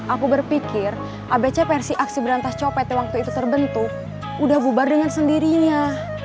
aku berpikir abc versi aksi berantas copet yang waktu itu terbentuk udah bubar dengan sendirinya